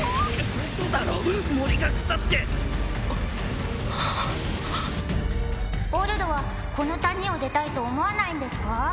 ウソだろ森が腐ってオルドはこの谷を出たいと思わないんですか？